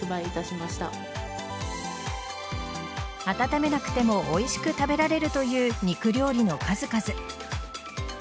温めなくてもおいしく食べられるという肉料理の数々。